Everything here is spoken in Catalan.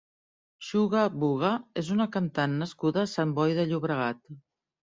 Shuga Wuga és una cantant nascuda a Sant Boi de Llobregat.